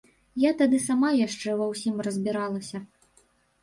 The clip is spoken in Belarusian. Я тады сама яшчэ ва ўсім разбіралася.